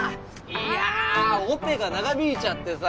いやあオペが長引いちゃってさ。